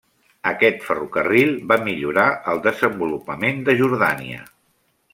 Aquest ferrocarril va millorar el desenvolupament de Jordània.